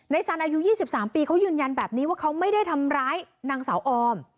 สันอายุ๒๓ปีเขายืนยันแบบนี้ว่าเขาไม่ได้ทำร้ายนางสาวออม